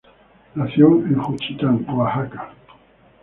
Nació en Juchitán, Oaxaca.